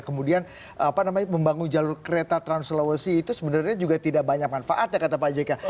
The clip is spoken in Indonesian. kemudian membangun jalur kereta trans sulawesi itu sebenarnya juga tidak banyak manfaat ya kata pak jk